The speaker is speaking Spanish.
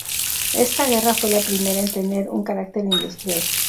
Esta guerra fue la primera en tener un carácter industrial.